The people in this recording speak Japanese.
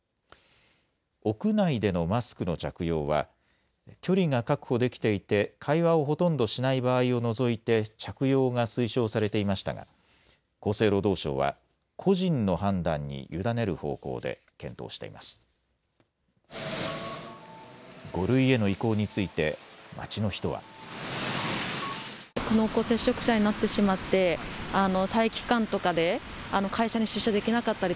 屋内でのマスクの着用は、距離が確保できていて会話をほとんどしない場合を除いて、着用が推奨されていましたが、厚生労働省は個人の判断に委ねる方向で、検討しています。